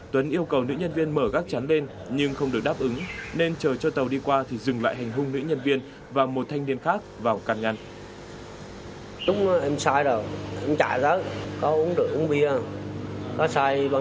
tuấn yêu cầu nữ nhân viên mở gác chắn bên nhưng không được đáp ứng nên chờ cho tàu đi qua thì dừng lại hành hung nữ nhân viên và một thanh niên khác vào căn ngăn